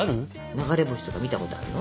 流れ星とか見たことあるの？